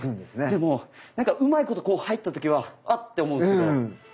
でもうまいこと入った時はあっ！って思うんですけど。